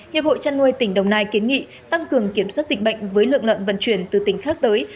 hiệp hội chăn nuôi tỉnh đồng nai kiến nghị tăng cường kiểm soát dịch bệnh với lượng lợn vận chuyển từ tỉnh khác tới